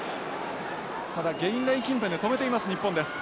ただゲインライン近辺で止めています日本です。